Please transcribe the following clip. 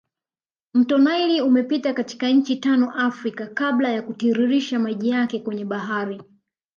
Mto nile umepita katika nchi tano Afrika kabla ya kutiririsha maji yake kwenye bahari